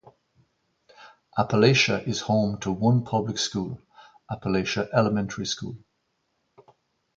Appalachia is home to one public school, Appalachia Elementary School.